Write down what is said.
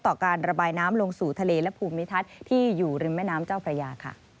การระบายน้ำลงสู่ทะเลและภูมิทัศน์ที่อยู่ริมแม่น้ำเจ้าพระยาค่ะ